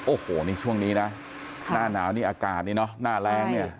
โอ้โหนี่ช่วงนี้นะหน้าหนาวนี่อากาศนี่เนอะหน้าแรงเนี่ย